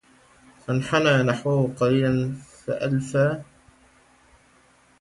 فانحنى نحوه قليلاً فالفى